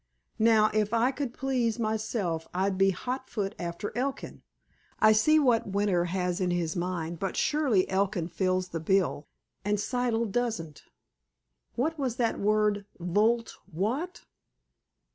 Now, if I could please myself, I'd be hot foot after Elkin. I see what Winter has in his mind, but surely Elkin fills the bill, and Siddle doesn't.... What was that word—volt what!"